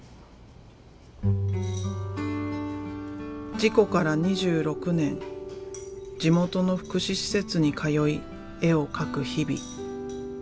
事故から２６年地元の福祉施設に通い絵を描く日々。